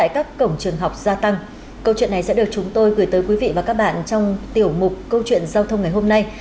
câu chuyện này sẽ được chúng tôi gửi tới quý vị và các bạn trong tiểu mục câu chuyện giao thông ngày hôm nay